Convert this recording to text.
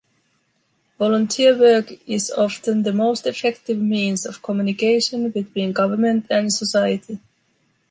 Volunteer work is often the most effective means of communication between government and society.